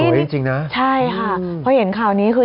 สวยจริงนะพอเห็นคราวนี้คือ